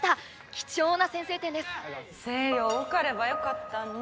貴重な先制点です星葉受かればよかったんに